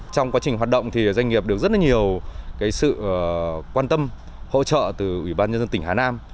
trong quá trình hoạt động thì doanh nghiệp được rất nhiều sự quan tâm hỗ trợ từ ủy ban nhân dân tỉnh hà nam